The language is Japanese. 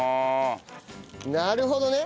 なるほどね。